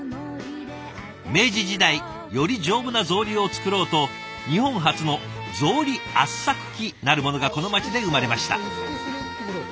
明治時代より丈夫な草履を作ろうと日本初の草履圧搾機なるものがこの町で生まれました。